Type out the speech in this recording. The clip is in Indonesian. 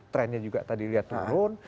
trennya juga tadi lihat turun